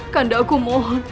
kanda aku mohon